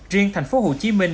riêng thành phố hồ chí minh